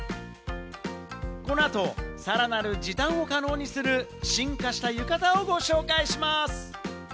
この後、さらなる時短を可能にする、進化した浴衣をご紹介します。